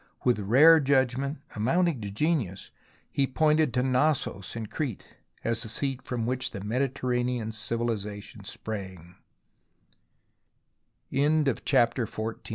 With rare judgment, amounting to genius, he pointed to Knossos, in Crete, as the seat from which the Mediterranean civilization spra